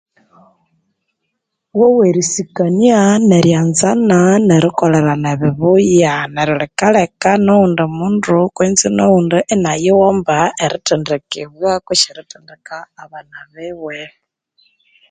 Wowe erisikania, neryanzana nerikolerana ebibuya neryo likaleka noghundi mundu kwenzi noghundi inayighomba erithendekebwa kwesi erithendeka abana biwe.